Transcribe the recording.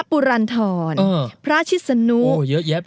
พระชิสนุก